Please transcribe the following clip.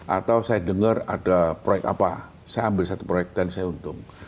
atau saya dengar ada proyek apa saya ambil satu proyek dan saya untung